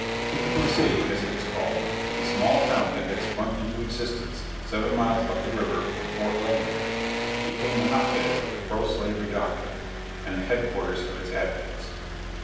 Kickapoo City, as it was called, a small town that had sprung into existence seven miles up the river from Fort Leavenworth, became the hot bed of the pro slavery doctrine and the headquarters of its advocates.